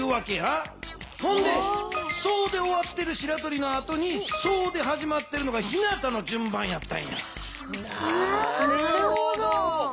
それで「ソ」で終わってるしらとりのあとに「ソ」ではじまってるのがひなたの順番やったんや。